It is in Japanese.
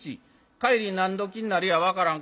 帰り何どきになるや分からん。